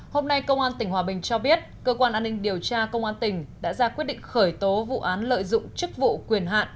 hôm nay công an tỉnh hòa bình cho biết cơ quan an ninh điều tra công an tỉnh đã ra quyết định khởi tố vụ án lợi dụng chức vụ quyền hạn